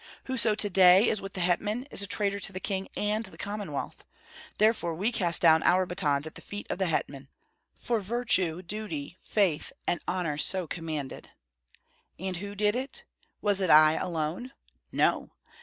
Whoso to day is with the hetman is a traitor to the king and the Commonwealth. Therefore we cast down our batons at the feet of the hetman; for virtue, duty, faith, and honor so commanded. And who did it? Was it I alone? No!